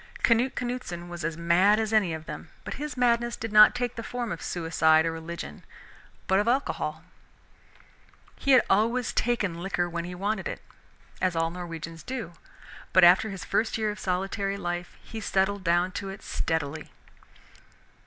Canute Canuteson was as mad as any of them, but his madness did not take the form of suicide or religion but of alcohol. He had always taken liquor when he wanted it, as all Norwegians do, but after his first year of solitary life he settled down to it steadily.